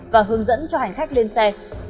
và hướng dẫn cho hành khách lên xe